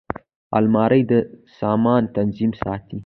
الماري د سامان تنظیم ساتي